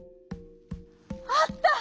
「あった！